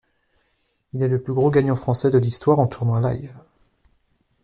Il est le plus gros gagnant français de l'histoire en tournoi live.